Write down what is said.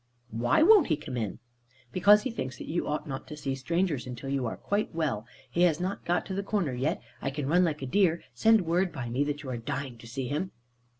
"Why won't he come in?" "Because he thinks that you ought not to see strangers, until you are quite well. He has not got to the corner yet. I can run like a deer. Send word by me, that you are dying to see him."